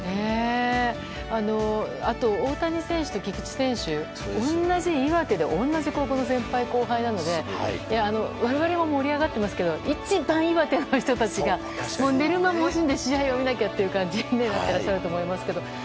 あと大谷選手と菊池選手同じ岩手で同じ高校の先輩・後輩なので我々も盛り上がってますけど一番、岩手の人たちが寝る間も惜しんで試合を見なきゃという感じになっていらっしゃると思いますけど。